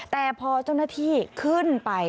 แต่พอเจ้าหน้าที่ขึ้นไป